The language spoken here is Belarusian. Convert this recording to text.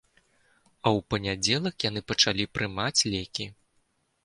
А ў панядзелак яны пачалі прымаць лекі.